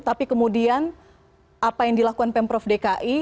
tapi kemudian apa yang dilakukan pemprov dki